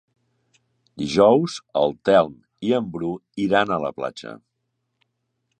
Dijous en Telm i en Bru iran a la platja.